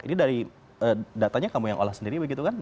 ini dari datanya kamu yang olah sendiri begitu kan